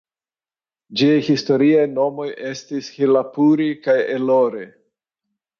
Ĝiaj historiaj nomoj estis "Helapuri" kaj "Ellore".